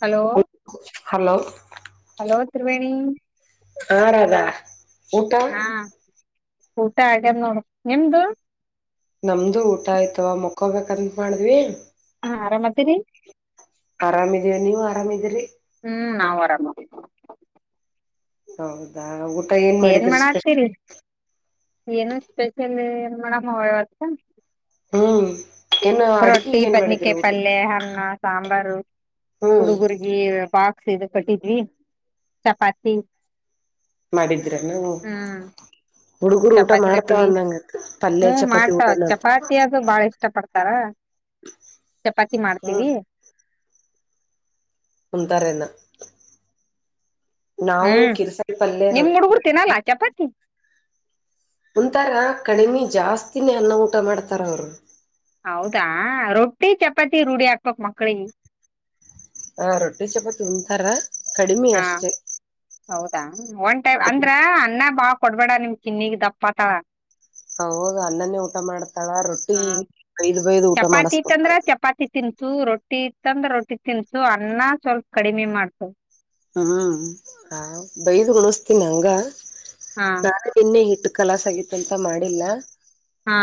Hello hello hello Triveni ಹ್ಹ್ ರಾಧಾ ಊಟ. ಹಾ ಊಟ ಆಗ್ಯದ ನೋಡ ನಿಮ್ದು. ನಮ್ದು ಊಟ ಆಯ್ತವಾ ಮುಕ್ಕೊಬೇಕಂತ ಮಾಡಿದ್ವಿ. ಹಾ ಆರಾಮ ಅದಿರು. ಆರಾಮಿದಿವಿ ನೀವು ಆರಾಮಿದಿರಿ. ಹ್ಮ್ ನಾವ್ ಆರಾಮವ. ಹೌದಾ ಊಟ ಏನ್ ಮಾಡಿದೀರ ಸ್ಪೆಷಲ್. ಏನು ಸ್ಪೆಷಲ್ ಏನ್ ಮಾಡಮ್ಮವ್ವ ಇವತ್. ಹ್ಮ ರೋಟ್ಟಿ ಬದನೆಕಾಯಿ ಪಲ್ಲೆ ಅನ್ನ ಸಾಂಬಾರ. ಹ್ಮ್ ಹುಡುಗುರ್ಗಿ ಬಾಕ್ಸ್ ಇದು ಕಟ್ಟಿದ್ವಿ ಚಪಾತಿ. ಮಾಡಿದ್ರನು. ಹ್ಮ್ ಹುಡುಗರು ಊಟ ಚಪಾತಿ ಮಾಡ್ತಾವ ಕಟ್ಟಿವಿ ಅಂದಂಗತ್ ಪಲ್ಲೆ ಹ್ಮ್ ಚಪಾತಿ ಊಟ ಮಾಡ್ತಾವ ಮಾಡ್ತ ಚಪಾತಿ ಅದು ಬಾಳ ಇಷ್ಟ ಚಪಾತಿ ಮಾಡ್ತೀವಿ. ಹ್ಮ್ ಉಣುಥಾರೇನು. ಹ್ಮ್ ಪಲ್ಯ ನಿಮ್ ರೊಟ್ಟಿ ಹುಡುಗುರು ತಿನ್ನಲ್ಲ ಚಪಾತಿ. ಉಣತಾರ ಕಡಿಮೆ ಜಾಸ್ತಿನೇ ಅನ್ನ ಊಟ ಮಾಡ್ತಾರ ಅವರು. ಹೌದಾ ರೊಟ್ಟಿ ಚಪಾತಿ ರೂಢಿ ಹಾಕ್ಬೇಕು ಮಕ್ಳಿಗೆ. ಹ ರೊಟ್ಟಿ ಚಪಾತ್ ಉಣ್ತಾರ ಕಡಿಮಿ ಹಾ ಅಷ್ಟೆ. ಹೌದಾ ಒಂದ್ ಟೈಮ್ ಅಂದ್ರ ಅನ್ನ ಬಾಳ್ ಕೊಡ್ಬೇಡ ನಿಮ್ ಚಿನ್ನಗ್ ದಪ್ಪ ಆತಾಳ ಹ ಹೌದು ಅನ್ನನೇ ಊಟ ಮಾಡ್ತ ಮಾಡ್ತಾಳ ರೊಟ್ಟಿ ಹ ಬೈದ ಬೈದು ಊಟ ಚಪಾತಿ ಇತ್ತಂದ್ರ ಮಾಡಿಸಬೇಕು. ಚಪಾತಿ ತಿನ್ಸು ರೊಟ್ಟಿ ಇತಂದ್ರ ರೊಟ್ಟಿ ತಿನ್ಸು ಅನ್ನ ಸ್ವಲ್ಪ ಕಡಿಮೆ ಮಾಡ್ಸು ಹ್ಮ್ ಹ ಬೈದ್ ಉಣಸ್ತೀನ್ ಹಂಗ ಹಾ ರಾತ್ [unintelligible] ಇಟ್ಟ ಕಲಾಸ ಆಗಿತ್ ಅಂತ ಮಾಡಿಲ್ಲ. ಹಾ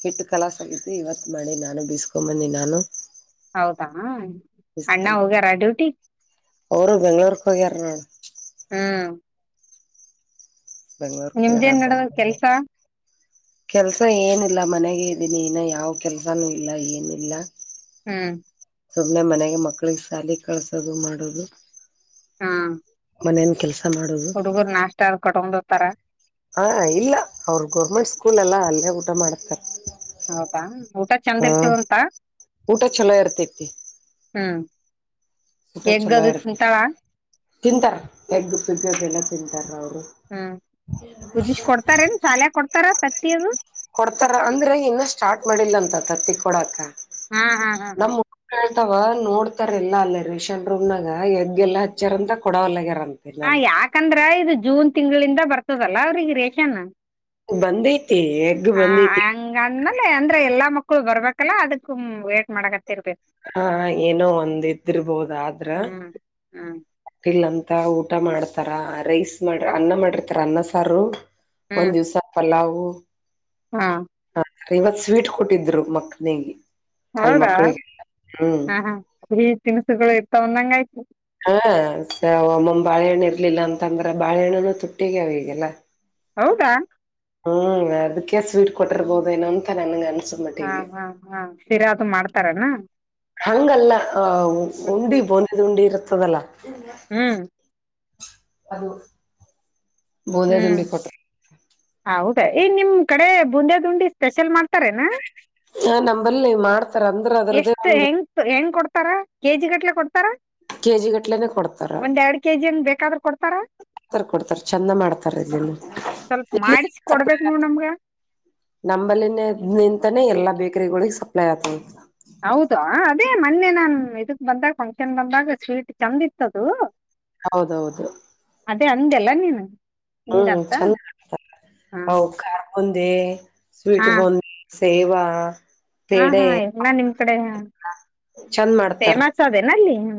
ಹಿಟ್ಟು ಕಲಾಸ್ ಆಗತಿ ಇವತ್ ಮಾಡಿ ನಾನು ಬೀಸ್ಕೊಂದೀ ಬಂದಿ ನಾನು. ಹೌದಾ ಅಣ್ಣ ಬೀಸ್ಕೊಂಬ ಹೋಗ್ಯಾರ ಡ್ಯೂಟಿಗ. ಅವರು ಬೆಂಗ್ಳೂರ್ಕ ಹೋಗ್ಯರ ನೋಡ್. ಹ್ಮ್ ಬೆಂಗ್ಳೂರ್ ಗೆ ಹೋಗ್ಯರ ನಿಮ್ದೇನ್ ನಡದದ ಬಂದಿಲ್ಲ ಕೆಲ್ಸ ಇನ್ನ. ಕೆಲ್ಸ ಏನಿಲ್ಲ ಮನೆಗೆ ಇದ್ದೀನಿ ಇನ ಯಾವ ಕೆಲ್ಸಾನೂ ಇಲ್ಲ ಏನಿಲ್ಲ. ಹ್ಮ್ ಸುಮ್ಮನೆ ಮನೆಗೆ ಮಕ್ಕಳಿಗೆ ಸಾಲಿ ಕಳ್ಸೋದು ಮಾಡೋದು. ಹಾ ಮನೇನ ಕೆಲಸ ಹುಡುಗರು ನಾಷ್ಟ ಕಟ್ಟೊಂಡ ಹ ಇಲ್ಲ ಅವ್ರ ಗೋರ್ಮೆಂಟ್ ಸ್ಕೂಲ್ ಅಲ್ಲ ಅಲ್ಲೇ ಊಟ ಮಾಡ್ತಾರ. ಹೌದಾ ಊಟ ಚೆಂದ ಇರ್ತದಂತ ಊಟ ಚಲೋ ಇರ್ತೈತಿ ಹ್ಮ್. ಊಟ ಎಗ್ ಚಲೋ ಅದು ಇರ್ತದ ತಿಂತಾಳ ತಿಂತಾರ ಎಗ್ ಪಿಗ್ ಅದು ಎಲ್ಲ ತಿಂತಾರ ಅವ ಹ್ಮ್ ಕುದಿಸಿ ಕೊಡ್ತಾರೇನ್ ಸಾಲ್ಯಗ ಕೊಡ್ತಾರ ತತ್ತಿಯದು. ಕೊಡ್ತಾರ ಅಂದ್ರೆ ಇನ್ನ ಸ್ಟಾರ್ಟ್ ಮಾಡಿಲ್ಲ ಅಂತ್ ತತ್ತಿ ಕೊಡಾಕ. ಹಾ ಹಾ ಹಾ ಹಾ. ಅಥವ ನೋಡ್ತಾರಲ್ಲ ಅಲ್ಲ ರೇಷನ್ ರೂಮ್ನಾಗ ಎಗ್ಗೆಲ್ಲ [unintelligible] ಕೊಡಲ್ಲಗ್ಯಾರ ಹಾ [unintelligible] ಯಾಕಂದ್ರ ಇದು ಜೂನ್ ತಿಂಗಳಿಂದ ಬರ್ತದಲ್ಲ ಅವ್ರಿಗೆ ರೇಷನ್. ಬಂದೈತಿ ಎಗ್ [inaudible] ಹ ಬಂದೈತಿ ಹಂಗಂದ್ಮೇಲೆ ಅಂದ್ರೆ ಎಲ್ಲಾ ಮಕ್ಕಳ ಬರ್ಬೇಕಲ್ಲ ಅದಕ್ಕ ವೇಟ್ ಮಾಡಕತ್ತ ಇರ್ಬೇಕು ಹಾ ಏನೋ ಒಂದ್ ಇದ್ದಿರ್ಬೋದ ಆದ್ರ ಹ್ಮ್ ಹ್ಮ್ ಇಲ್ಲಂತ ಊಟ ಮಾಡ್ತಾರ ರೈಸ್ ಮಾಡ ಅನ್ನ ಮಾಡಿರ್ತಾರ ಅನ್ನ ಸಾರು ಒಂದ್ ದಿವ್ಸ ಪಲವು ಹಾ ಇವತ್ ಸ್ವೀಟ್ ಕೊಟ್ಟಿದ್ರು ಮಕ್ನಿಗೆ ಅಲ್ ಹೌದಾ ಮಕ್ಳಿಗೆ ಹ್ಮ್ ಹ ಹಾ ಈ ತಿನಿಸುಗಳು ಇರ್ತವಂದಂಗ ಆಯ್ತು ಹಾ ಒಮ್ಮಮ್ಮ ಬಾಳೆಹಣ್ಣು ಇರ್ಲಿಲ್ಲ ಅಂತಂದ್ರ ಬಾಳೆಹಣ್ಣನು ತುಟ್ಟಿಗೆ ಅವಗೆಲ್ಲ ಹೌದಾ ಹ್ಮ್ ಅದಕ್ಕೆ ಸ್ವೀಟ್ ಕೊಟ್ಟಿರ್ಬೋದ ಏನ ಅಂತ ನನ್ಗನ್ ಹಾ ಹಾ ಹಾ ಶರಿಯಾದದು ಮಾಡ್ತಾರನಾ ಹಂಗಲ್ಲ ಆ ಉಂಡಿ ಬೋನಿದ್ ಉಂಡಿ ಇರ್ತದಲ್ಲ ಹ್ಮ್ [inaudible] ಅದು ಬೋಂದದುಂಡಿ ಕೊಟ್ಟ ಹಾ ಹೌದಾ ಈನ್ ನಿಮ್ ಕಡೆ ಬುಂದೇದುಂಡಿ ಸ್ಪೆಷಲ್ ಮಾಡ್ ನಾ ಆ ನಂಬಲ್ಲಿ ಮಾಡ್ತಾರ ಅಂದ್ರ [inaudible] ಅದರದೇ ಎಷ್ಟು ಒಂದು ಹೆಂಗ ಹೆಂಗ್ ಕೊಡ್ತಾರ ಕೆಜಿ ಗಟ್ಲೆ ಕೊಡ್ತಾರಾ ಕೆಜಿ ಗಟ್ಲೆನೆ ಕೊಡ್ತಾರ [inaudible] ಒಂದೆರಡು ಕೆಜಿನ್ ಬೇಕಾದ್ರೂ ಕೊಡ್ತಾರ [inaudible] ಕೊಡ್ತಾರ ಕೊಡ್ತಾರ ಚಂದ ಮಾಡ್ತಾರ ಇದನ್ನು ಹ್ಮ ಸ್ವಲ್ಪ ಇಲ್ಲಿ ಮಾಡಿಸಿ ಸಪ್ಲೈ ಕೊಡ್ಬೇಕಕ್ ನ ನಮ್ಗ ನಂಬಲ್ಲಿನ ನಿಂತಾನೇ ಎಲ್ಲಾ ಬೇಕರಿಗಳಿಗೆ ಸಪ್ಲೈ ಆತ ಹೌದು ಅದೇ ಮೊನ್ನೆ ನಾನ್ ಇದಕ್ ಬಂದಾಗ ಫಂಕ್ಷನ್ ಬಂದಾಗ ಸ್ವೀಟ್ ಚೆಂದ ಇತ್ತದು ಹೌದೌದು ಹಂಗೆಲ್ಲ ನೀನು ಹ್ಮ್ ಹಂಗಂತ ಚಂದ ಮಾಡ್ತಾರ. ಹಾ [inaudible] ಅವು ಖಾರ ಬೂಂದಿ ಸ್ವೀಟ್ ಬಾಂದ ಸೇವಾ ಹಾ ಪೇಡೆ ಹಾ ಎಲ್ಲ ನಿಮ್ ಕಡೆ ಹ ಚಂದ ಮಾಡ್ತಾರ ಫೇಮಸ್ ಅದೇನ ಅಲ್ಲಿ ಹ್ಮ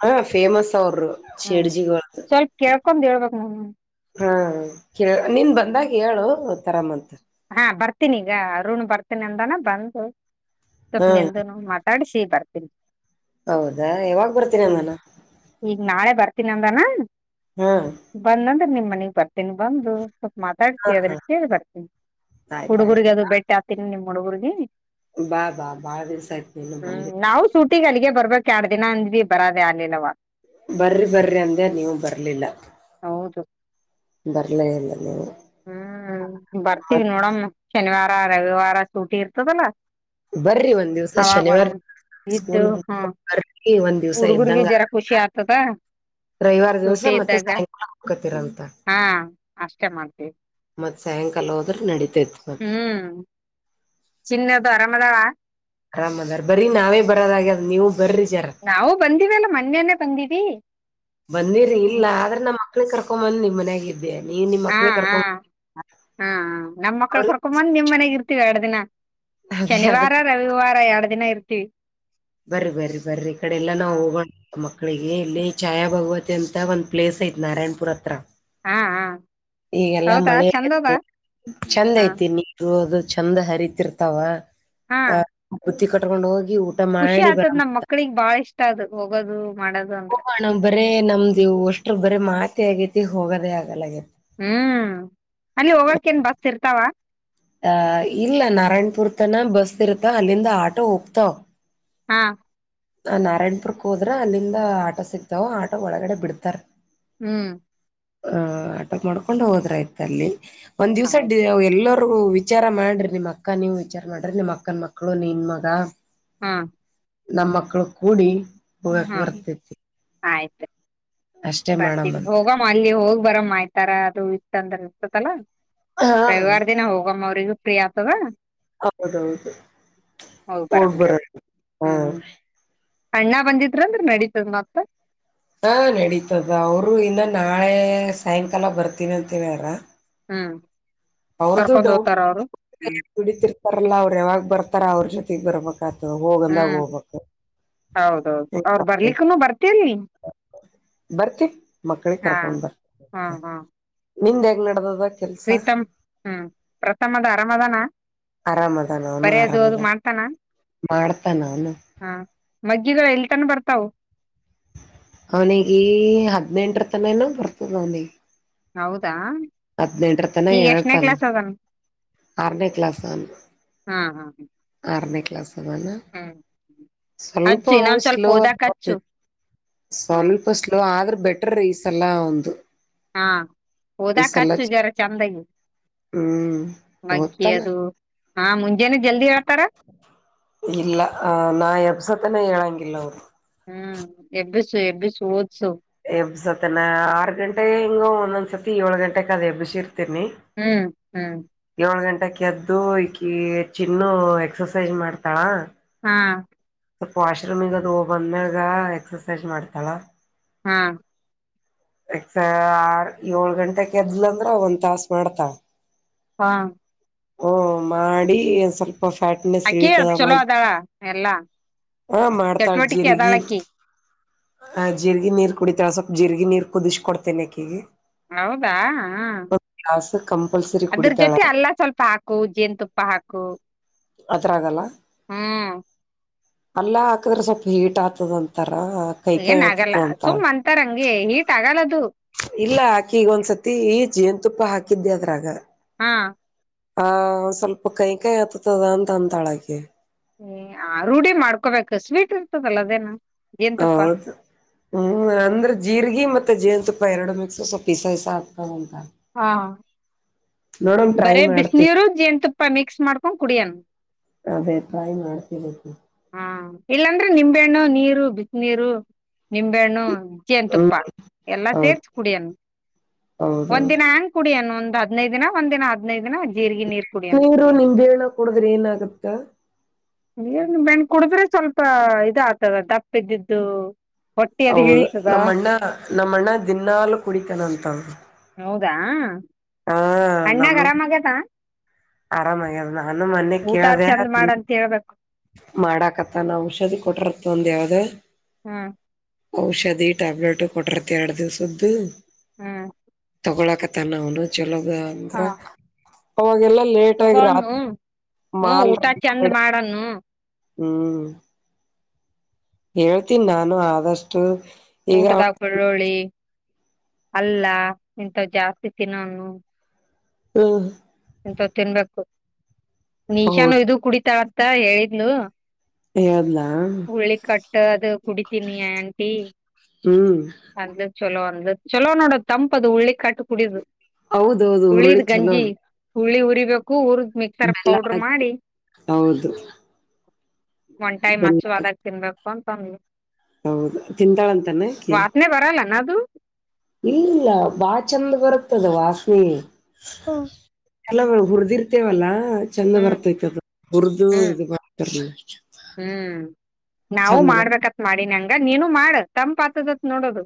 ಹಾ ಫೇಮಸ್ ಅವರು ಶೇಡ್ಜಿ್ದ ಸ್ವಲ್ಪ ಕೇಳ್ಕೊಂಡ್ ಹೇಳ್ಬೇಕು ನಾನು ಹಾ ಕ ನಿನ್ ಹ್ಮ್. ಬಂದಾಗ ಹೇಳು ತರಾಮಂತ ಹಾ ಬರ್ತೀನಿ ಈಗ ಅರುಣ್ ಬರ್ತೀನಿ ಅಂದಾನ ಬಂದು ಹಾ ಸ್ವಪ್ನೆಂದು ಮಾತಾಡ್ಸ ಬರ್ತೀನಿ ಹೌದಾ ಯಾವಾಗ್ ಬರ್ತೀನಿ ನಾನು ಈಗ ನಾಳೆ ಬರ್ತೀನಿ ನಂದಾನ ಬಂದಂದ್ರ ನಿಮಮ್ಮ್ ಮನೆಗ್ ಬರ್ತೀನಿ ಬಂದು ಸ್ವಲ್ಪ ಮಾತಾಡ್ಸ ಅದನ್ನ ಕೇಳಿ ಬರ್ತೀನಿ ಆಯ್ತ ಆಯ್ತು ಹುಡುಗರ್ರಿಗೆ ಅದು ಬೆಟ್ಟಿ ಹತೀನಿ ನಿಮ್ ಹುಡುಗರ ಬಾ ಬಾ ಬಾಳ ದಿವ್ಸ ಆಯ್ತು ನೀನು ಬಂದ ತ್ತ ಅಲ್ಲಿಗೆ ಬರ್ಬೇಕಕ್ ಎರಡ್ ದಿನ ಅಂದ್ ಬರದೇ ಆಗ್ಲಿಲ್ಲವ ಬರ್ರಿ ಬರ್ರಿ ಅಂದೆ ನೀವು ಬರ್ಲಿಲ್ಲ ಹೌದು ಬರ್ಲ ಇಲ್ಲ ನೀವು ಹ್ಮ್ ಬರ್ತೀವಿ ನೋಡಮ ಶನಿವಾರ ರವಿವಾರ ಸೂಟಿ ಇರ್ತದಲ್ಲ ಬರ್ರಿ ಒಂದ್ ದಿವ್ಸ [inaudible] ಅವಾಗ ಶನಿವಾರ ಇದ್ದು ಸ್ಕೂಲ್ ಹ್ಮ ಬರ್ರಿ ಒಂದ್ ದಿವ್ಸ ಹುಡುಗುರ್ಗ ಇದ್ದಂಗ ಜರಾ ಖುಷಿ ಆಗ್ತದ ರವಿವಾರ ದಿವ್ಸ ಸೂಟಿ ಮತ್ತೆ ಇದ್ದಾಗ ಸಾಯಕಾಲ ಹಾಕತಿರಂತ ಹಾ ಅಷ್ಟೇ ಮಾಡ ಮತ್ ಸಾಯಂಕಾಲ ಹೋದ್ರ ನಡೀಿತೇತ್ ಮತ್ತ ಚಿನ್ನದದು ಆರಾಮ ಅದಳ ಆರಾಮ್ ಅದಾರ ಬರೀ ನಾವೇ ಬರೋದ್ಯ ನೀವು ಬರ್ರಿ ಜರ ನಾವು ಬಂದಿವ ಅಲ್ಲ ಮೊನ್ನೇನೆೇ ಬಂದೀಿವವಿ ಬಂದಿರರಿ ಇಲ್ಲ ಆದ್ರೆ ನಮ್ಮ ಮಕ್ಳಿಗೆ ಕರ್ಕೊ ಬಂದ್ ನಿಮ್ ಮನ್ಯಾಗರಿ ಹಾ ಹಾ ಹಾ ನಮ್ ಮಕ್ಳ ಅವ್ರಿ ಕರ್ಕೊ ಬಂದ್ ನಿಮ್ ಮನೆಾಗ ಇರ್ತೀವಿ ಎರಡು ದಿನ ಅದೇ ಶನಿವಾರ ಅದಕ್ ರವಿವಾರ ಎರಡು ದಿನ ಇರ್ತೀವಿ ಬರರಿ ಬರರಿ ಬರ್ರರಿ ಈ ಕಡೆ ಎಲ್ಲಾ ನಾವು ಹೋಗೋಣ ಮ ಮಕ್ಕಳಿಗೆ ಇಲ್ಲಿ ಛಾಯಾ ಭಗವತಿ ಅಂತ ಒಂದು ಪ್ಲೇಸ್ ಐು ನಾರಾಯಣಪುರ ಹತ್ರ ಹಾ ಹಾ ಈಗೆಲ್ಲ ಹೌದಾ ಮಳೆ ಚಂದದ ಚಂದ ಹ ಐತಿ ನೀರುದು ಚಂದ ಹರಿತಿರ್ತಾವ ಹಾ ಆ ಬುತ್ತಿ ಕಟ್ಕೊಂಡ್ ಹೋಗಿ. ಊಟ ಖುಷಿ ಮಾಡಿ ಆತದ್ ನಮ್ ಬರಮಂತ ಮಕ್ಳಿಗ್ ಬಾಳ ಇಷ್ಟ ಅದ ಹೋಗೋದು. ಮಾಡೋದು ಅಂದ್ರ ಹೋಗೋಣ ಬರೇ ನಮ್ದ ಇವು ಅಷ್ಟ್ರ ಬರ ಮಾತಿ ಆಗೇತಿ ಹೋಗೋದೇ ಆಗಲ್ಲಗೇ. ಹ್ಮ್ ಅಲ್ಲಿ ಹೋಗಕೇನ್ ಬಸ್ ಇರ್ತಾವ ಅ ಇಲ್ಲ ನಾರಾಯಣ್ಪುರ್ ತನ ಬಸ್ ಇರ್ತಾವ ಅಲ್ಲಿಂದ ಆಟೋ ಹೋಗ್ತಾವ. ಹಾ ಆ ನಾರಾಯಣಪುರ್ಕ್ ಹೋದ್ರ ಅಲ್ಲಿಂದ ಆಟೋ ಸಿಗ್ತಾವ ಆಟೋ ಒಳ್ಗಡೆ ಬಿಡ್ತಾರ. ಹ್ಮ್ ಹ ಆಟೋ ಮಾಡ್ಕೊಂಡ್ ಹೋದ್ರ ಆ್ತ ಅಲ್ಲಿ ಒಂದ್ ದಿವ್ಸ ಆಯ್ತು ಎಲ್ ವಿಚಾರ ಮಾಡ್ರಿ ನಿಮ್ ಅಕ್ಕ ನೀವು ವಿಚಾರ ಮಾಡ್ರಿ ನಿಮ್ಮ್ ಅಕ್ಕನ ಮಕ್ಳು ನಿನ್ ಮಗ. ಹಾ ನಮ್ಮ ಮಕ್ಳು ಕೂಡಿ ಹೋಗಕ್ ಹಾ ಬರ್ತಿವ್. ಬರ್ತವಿ ಹೋಗಮ್ಮ ಅಲ್ಲಿ ಹೋಗಿ ಬರಮ್ಮ ಆಯ್ತಾರ ಅದು ಇತ್ತ ಅಂದ್ರ ಇನ್ತತಲ್ಲಾ. ಹಾ ರವಿವಾರ ದಿನ ಹೋಗಮ್ಮ ಅವ್ರಿಗೂ ಫ್ರೀ ಆತದ. ಹೌದೌದು ಹೌ ಬಾರಾಮ್ರಿ ಹೋಗ್ಬರ ಹಾ ಹ್ಮ್. ಅಣ್ಣ ಬಂದಿದ್ರ ಅಂದ್ರ ನಡೀತದ್ ಮತ್ತ. ಹಾ ನಡೀತದ ಅವ್ರು ಇನ್ನ ನಾಳೆ ಸಾಯಂಕಾಲ ಬರ್ತೀನಿ ಅಂತ ಹೇಳ್ಯಾರ್. ಹ್ಮ್ ಅವ್ರದು ಕರ್ಕೊಂಡ್ ಡೌಟ್ ಹೋತಾರ ಅವರು [unintelligible] ಹ್ಮ್ ದುಡತಿರ್ತಾರಲ್ಲ ಅವ್ರ ಯಾವಾಗ್ ಬರ್ತಾರ ಅವ್ರ ಜೊತೆಗ್ ಬರ್ಬ ತ್ ಹೋಗಂದಾಗ ಹ್ಮ್ ಹೋಗ್ಬ ಹೌದೌದು ಅವ್ರ [unintelligible] ಬರ್ಲಿಕ್ಕೂನು ಬರ್ತಿರ್ಲಿ ಬರ್ತಿ ಮಕ್ಕಳಿಗೆ ಹಾ ಕರ್ಕೊಂಡ್ ಬರ್ತ ಹಾ ಹಾ ನಿಮ್ದ ಹೆಂಗ್ ನಡ್ದದ. ಕೆಲ್ಸ ಪ್ರೀತಮ್ ಹ್ಮ್ ಪ್ರಥಮದ ಅರಮದಾನ. ಬರೆದು ಅದು ಮಾಡ್ತಾನ. ಮಾಡ್ತನ ಅವ್ನು. ಮಗ್ಗಿದು ಎಲ್ತಾನ ಬರ್ತಾವ್. ಅವ್ನಿಗೆ ಈ ಹದ್ನೆಂಟ್ರ ತನೆನೋ ಬರ್ತದ ಅವ್ನಿಗೆ. ಹೌದಾ ಹದ್ನೆಂಟ್ರ ತನ ಈಗ ಎಷ್ಟನೇ ಹೇಳ್ತನ. ಕ್ಲಾಸ್ ಅದನು ಆರ್ನೇ ಕ್ಲಾಸ್ ಆನ್. ಹಾ ಹಾ ಆರ್ನೇ ಕ್ಲಾಸ್ ಅದನ. ಹ್ಮ್ ಸ್ವಲ್ಪ ಹಚ್ಚು ಅವ್ನು ಇನ್ನೊಂದ್ ಸ್ವಲ್ಪ ಓದಾಕ್ ಹಚ್ಚು ಸ್ಲೋತ ಹ ಸ್ವಲ್ಪ ಸ್ಲೋ ಆದ್ರ. ಬೆಟರ್ ಈಸಲ ಅವ್ನದು. ಹಾ ಓದಾಕ್ ಖರ್ಚು ಜರ ಚಂದಗೆ. ಹ್ಮ್ ಓದ್ತಾನ ಮಗ್ಗಯದು ಆ ಮುಂಜಾನೆ ಜಲ್ದಿ ಏಳ್ ಇಲ್ಲ ಅ ನಾ ಎಬ್ಸತನೇ ಹೇಳಂಗಿಲ್ಲ ಅವ್ನು. ಹ್ಮ್ ಎಬಿಸ್ ಎಬಿಸ್ ಒದ್ಸು. ಬ್ ಸತನ ಆರ್ ಗಂಟೆ ಹಿಂಗೂ ಒಂದೊಂದ್ ಸರ್ತಿ ಏಳು ಗಂಟೆಗ್ ಅದ್ ಹೆಬ್ಸೀರ್ ತಿನಿ ಹ್ಮ್ ಹ್ಮ್ ಯೋಳ್ ಗಂಟ್ ಕೆದ್ದು ಈಕಿ ಚಿನ್ನು ಎಕ್ಸಸೈಜ್ ಮಾಡ್ತಾಳ. ಹಾ ಸ್ವಲ್ಪ ವಾಶ್ರೂಮಿಗ್ ಅದು ಹೋಗ್ ಬಂದ್ಮ್ಯಾಗ ಎಕ್ಸರ್ಸೈಜ್ ಮಾಡ್ತಾಳ. ಹಾ ಎಕ್ಸಾರ್ ಯೋಳ್ ಗಂಟೆಗ್ ಯದ್ಲಂದ್ರೆ ಒಂದ್ ತಾಸ ಮಾಡ್ತಳ್. ಪಾ ಓ ಮಾಡಿ ಒಂದ್ ಸ್ವಲ್ಪ ಫ್ಯಾಟ್ನೆಸ್ ಅಕಿ ಇಳಿತದ. ಚಲೋ ಅದಾಳ ಎಲ್ಲಾ ಹಾ ಮಾಡ್ತಾಳ್ ಚಟುವಟಿಕೆ ಜೀರ್ಗಿ ಅದಾಳಕಿ ಆ ಜೀರ್ಗಿ ನೀರ್ ಕುಡಿತಾಳ್ ಸ್ವಲ್ ಜಿರ್ರಿಗಿ ನೀರ್ ಕುದಿಸ್ ಕೊಡ್ತಿನ್ ಅಕಿಗಿ. ಹೌದಾ ಹ ಕಂಪಲ್ಸರಿ ಅದ್ರ ಜೊತೆ ಕುಡಿತಾಳ ಅಲ್ಲಾ ಸ್ವಲ್ಪ ಹಾಕು ಜೇನ್ ತುಪ್ಪ ಹಾಕು. ಅದ್ರ ಗಲ್ಲ ಹ್ಮ್ ಅಲ್ಲಾ ಹಾಕದ್ರೆ ಸ್ವಲ್ಪ ಹೀಟ ಆಗ್ತದ ಅಂತ. ಹಾ ಕೈ ಕೈ ಏನ್ ಆಗಲ್ಲ ಹತ್ತುಕೊಂತಾಳ ಸುಮ್ ಅಂತಾರಂಗೆ ಹೀಟ್ ಆಗಲ್ಲದು ಇಲ್ಲ ಆಕಿ ಈಗ ಒಂದ್ಸತಿ ಜೇನು ತುಪ್ಪ ಹಾಕಿದ್ದೆ ಅದ್ರಾಗ. ಹಾ ಹ ಸ್ವಲ್ಪ ಕಹಿ ಕಹಿ ಹತ್ತದ ಅಂತ ಅಂತಾಳಕಿ ಏ ಆ ರೂಢಿ ಮಾಡ್ಕೋಬೇಕು ಸ್ವೀಟ ಇರ್ತದಲ್ಲ ಅದೇನು ಹೌದು ಹ್ಮ್ ಅಂದ್ರೆ ಜೀರ್ಗಿ ಮತ್ತ ಜೇನು ತುಪ್ಪ ಎರಡು ಮಿಕ್ಸ ಸ್ವಲ್ಪ ಇಸ ಇಸ ಆಗ್ತದ ಹಾ ನೋಡಮ್ ಟ್ರೈ ಬರೇ ಮಾಡ್ತೀವಿ ಬಿಸಿನೀರು ಜೇನ್ತುಪ್ಪ ಮಿಕ್ಸ್ ಮಾಡ್ಕೊಂಡ್ ಕುಡಿಯಣ. ಅಭಿಪ್ರಾಯ ಮಾಡಸಲಿಕ್ಕು ಹ ಇಲ್ಲಾಂದ್ರೆ ನಿಂಬೆಹಣ್ಣು ನೀರು ಬಿಸ ನೀರು ನಿಂಬೆಹಣ್ಣು ಹ್ಮ್ ತುಪ್ಪ ಎಲ್ಲಾ ಹೌದು ಸೇರ್ಸ ಕುಡಿಯನ್ನು ಹೌದೌದು ಒಂದಿನ ಹಂಗ ಕುಡಿನ ಒಂದು ಹದಿನೈದು ದಿನ ಒಂದ ದಿನ ಹದಿನೈದು ದಿನ ಜೀರಿಗೆ ನೀರ್ ಕುಡಿಯನ್ ನೀರು ನಿಂಬೆ ಹಣ್ಣು ಕುಡಿದ್ರೆ ಏನಾಗತ್ತ ನೀರು ನಿಂಬೆ ಹಣ್ಣು ಕುಡಿದ್ರೆ ಸ್ವಲ್ಪ ಇದ ಆಗ್ತದ ದಪ್ಪ ಇದ್ದಿದ್ದು ಹೊಟ್ಟಿ ಅದು ಹೌದು ಇಳಿತದ ನಮ್ಮ ಅಣ್ಣ ನಮ್ಮಣ್ಣ ದಿನಾಲು ಕುಡಿತನ ಅಂತ ಹೌದ ಅಣ್ಣಗ ಅರಾಮ ಅಗ್ಯಾದ ಹಾ ಆರಾಮಗ್ಯದ ನಾನು ಮೊನ್ನೆ ಕೇಳ್ದಾ ಚಂದ್ ಮಾಡಂತ ಹೇಳ್ಬೇಕು ಮಾಡಾಕತ್ತ ನಾ ಔಷಧಿ ಕೊಟ್ರತ ಒಂದ ಯಾವ್ದ ಹ್ಮ್ ಔಷಧಿ ಟ್ಯಾಬ್ಲೆಟ್ ಕೊಟ್ಟರತ ಎರಡು ದಿವ್ಸದ್ದು ಹ್ಮ್ ತೊಗೊಳಕಾತನ್ ಅವನು ಚೊಲೋ ಹಾ ಆಗ್ಯಾನ ಅವಾಗೆಲ್ಲಾ ಲೇಟ್ ಆಗಿ ತಗೋನು ಹ್ಮ್ ಊಟ ರಾತ್ರಿಮಾಲಾ ಚಂದ್ [unintelligible] ಮಾಡನು ಹ್ಮ್ ಹೇಳ್ತೀನ ನಾನು ಆದಷ್ಟು ಈಗ ಊಟದಾಗ ಬಳ್ಳೂಳಿ ಅಲ್ಲ ಇಂತ ಜಾಸ್ತಿ ತಿನ್ನೋನು ಹ್ಮ ಹಿಂತದು ತಿನ್ಬೇಕು ನೀಶಾನು ಹೌದು ಇದು ಕುಡಿತಾಳ ಅಂತ ಹೇಳಿದ್ಲು ಹೇಳ್ದ್ಲಾ ಉಳಿ ಕಟ್ಟ ಅದು ಕುಡಿತೀನಿಯ ಆಂಟಿ ಹ್ಮ್ ಅಂದ್ಲು ಚಲೋ ಅಂದ ಚಲೋನೋಡ ತಂಪು ಅದು ಉಳ್ಳಿ ಕಟ್ಟ ಕುಡಿದು ಹೌದೌದು ಹುರುಳ್ಳಿ ಹುಳ್ಳಿದ್ ಗಂಜಿ ಚಲೋದು ಹುಳ್ಳಿ ಹುರಿಬೇಕು ಹುರ್ದು ಮಿಕ್ಸರ್ ಪೌಡ್ರ ಹಾಕಿ ಮಾಡಿ ಹೌದು ಒಂಟೈಮ್ ಬೆಲ್ಲ ಹಾಕಿ ಹಚ್ಚುವಾದಾಗ ತಿನ್ಬೇಕು ಅಂತಂದ ಹೌದು ತಿಂತಾಳಂತಾನೆಕಿ ವಾಸನೆ ಬರಲ್ಲನ ಅದು ಇಲ್ಲ ಬಾಳ ಚೆಂದ ಬರುತ್ತದ ವಾಸನಿ ಹ್ಮ ಅಲವ ಹುರಿದಿರ್ತೇವಲ್ಲಾ ಹ ಚಂದ ಹ್ಮ್ ಬರ್ತೈತದ ಹುರ್ದು ಹ್ಮ್ ಇದು ಬತಾರ ಹ್ಮ್ ನಾವು ಮಾಡ್ಬೇಕತ್ ಮಾಡಿನಿ ಹಂಗ ನೀನು ಮಾಡ ತಂಪಾತದತ್ ನೋಡ ಅದು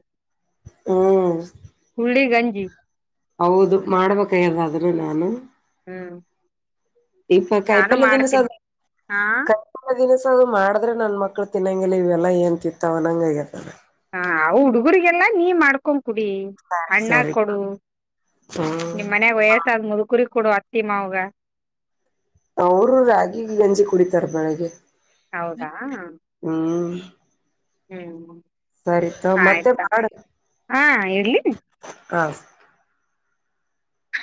ಹ್ಮ ಗಂಜಿ ಹೌದು ಮಾಡ್ಬೇಕ ಇರ್ದಾದ್ರೆ ನಾನು ಹ್ಮ್ ಇ ನಾನು ಕಾಯಿಪಲ್ಲೆ ದಿನಸ ಅ ಮಾಡ್ತೀನಿ ಹಾ ಕಾಯಲ್ಲ ದಿನಸ ಅದು ಮಾಡ್ರ ನನ್ ಮಕ್ಳು ತಿನ್ನಂಗಿಲ್ಲ ಇವೆಲ್ಲ ಏನ್ ತಿತ್ತವನಂಗ ಆಗೆದ್ ಹ ಅವ ಹುಡುಗರ್ರಿಗೆಲ್ಲಾ ನೀ ಮಾಡ್ಕೊ ಕುಡಿ ಸರಿ ಅಣ್ಣ ಸರಿ ಕೊಡು ಹ್ಮ್ ನಿಮ್ ಮನಾಗ ವಯಸ್ಸಾದ ಮುದುಕೂರಿ ಕೊಡ ಅತ್ತೀಮವುಗ ಅವರು ರಾಗಿ ಗಂಜಿ ಕುಡಿತಾರ ಬೆಳಗ್ಗೆ ಹೌದಾ ಹ್ಮ್ ಹ್ಮ್ ಸರಿ ತಗೋ ಮತ್ತೆ ಆಯ್ತಾ ಮಾಡು ಹಾ ಇರ್ಲಿ ಹಾ ಹ